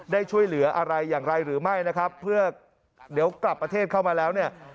ได้ช่วยเหลืออะไรอย่างไรหรือไม่นะครับเพื่อเดี๋ยวกลับประเทศเข้ามาแล้วเนี่ย